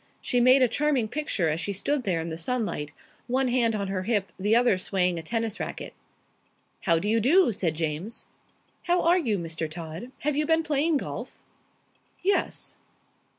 She made a charming picture as she stood there in the sunlight, one hand on her hip, the other swaying a tennis racket. "How do you do?" said James. "How are you, Mr. Todd? Have you been playing golf?" "Yes."